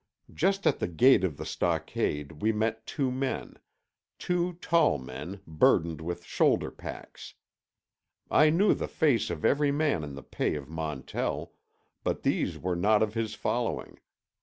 Just at the gate of the stockade we met two men—two tall men burdened with shoulder packs. I knew the face of every man in the pay of Montell, but these were not of his following.